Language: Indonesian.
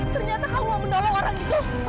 ternyata kamu mau menolong orang itu